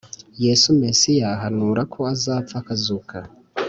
Yesu Mesiya ahanura ko azapfa akazuka